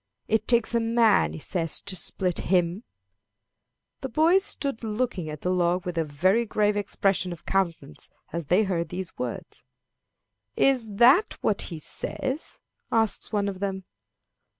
It takes a man, he says, to split him." The boys stood looking at the log with a very grave expression of countenance as they heard these words. "Is that what he says?" asked one of them.